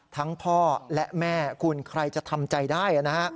ทั้งพ่อและแม่คุณใครจะทำใจได้